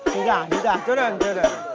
sudah sudah turun turun